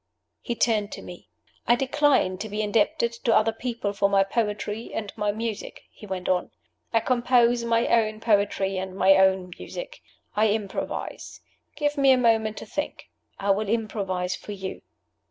He turned to me. "I decline to be indebted to other people for my poetry and my music," he went on. "I compose my own poetry and my own music. I improvise. Give me a moment to think. I will improvise for You."